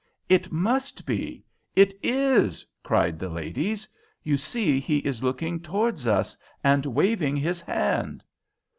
"It must be. It is!" cried the ladies. "You see he is looking towards us and waving his hand."